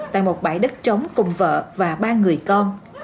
tại một bãi đất trống cùng vợ và ba người con